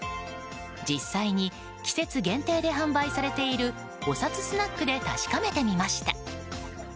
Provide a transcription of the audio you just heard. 実際に、季節限定で販売されているおさつスナックで確かめてみました。